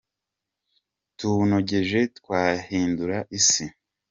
Tuwunogeje twahindura isi